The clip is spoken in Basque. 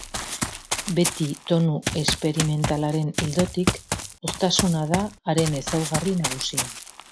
Beti tonu esperimentalaren ildotik, hoztasuna da haren ezaugarri nagusia.